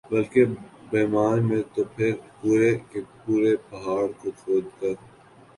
بلکہ بامیان میں تو پورے کے پورے پہاڑ کو کھود کر